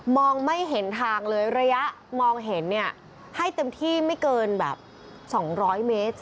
ไม่เห็นทางเลยระยะมองเห็นเนี่ยให้เต็มที่ไม่เกินแบบ๒๐๐เมตร